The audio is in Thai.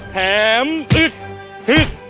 แถมอึกพลิก